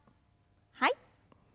はい。